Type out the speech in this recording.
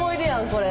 これ。